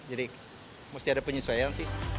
jadi mesti ada penyesuaian